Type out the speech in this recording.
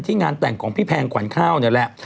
งานแต่งของพี่แพงขวัญข้าวนี่แหละ